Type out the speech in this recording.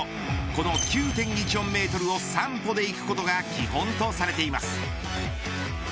この９．１４メートルを３歩で行くことが基本とされています。